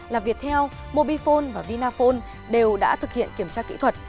là viettel mobifone và vinaphone đều đã thực hiện kiểm tra kỹ thuật